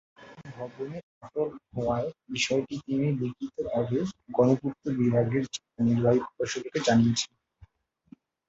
ভবনে ফাটল হওয়ার বিষয়টি তিনি লিখিতভাবে গণপূর্ত বিভাগের জেলা নির্বাহী প্রকৌশলীকে জানিয়েছেন।